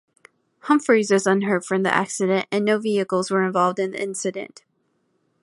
Humphries was unhurt from the accident and no vehicles were involved in the incident.